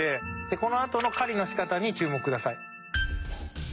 このあとの狩りの仕方に注目ください。